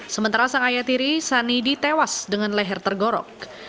sementara sang ayah tiri sani ditewas dengan leher tergorok